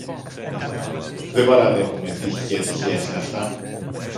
Δεν παραδέχομαι τύχη και ατυχία σε αυτά